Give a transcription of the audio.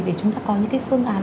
để chúng ta có những cái phương án